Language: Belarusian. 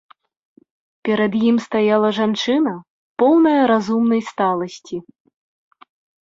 Перад ім стаяла жанчына, поўная разумнай сталасці.